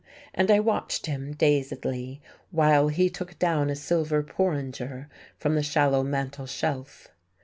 And I watched him, dazedly, while he took down a silver porringer from the shallow mantel shelf.